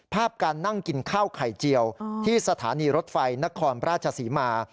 การนั่งกินข้าวไข่เจียวที่สถานีรถไฟนครราชศรีมา